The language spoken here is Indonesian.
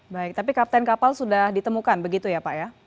baik tapi kapten kapal sudah ditemukan begitu ya pak ya